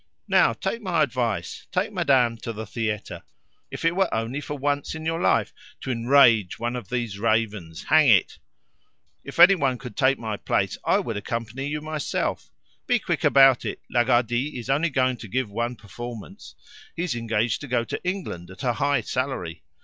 Now take my advice. Take madame to the theatre, if it were only for once in your life, to enrage one of these ravens, hang it! If anyone could take my place, I would accompany you myself. Be quick about it. Lagardy is only going to give one performance; he's engaged to go to England at a high salary.